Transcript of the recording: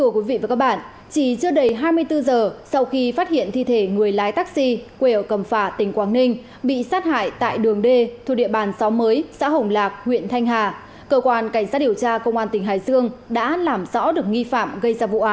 các bạn hãy đăng ký kênh để ủng hộ kênh của chúng mình nhé